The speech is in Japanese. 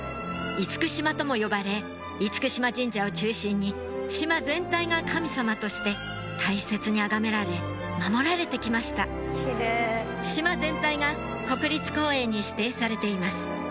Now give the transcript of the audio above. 嚴島とも呼ばれ嚴島神社を中心に島全体が神様として大切にあがめられ守られて来ました島全体が国立公園に指定されています